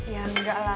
ya enggak lah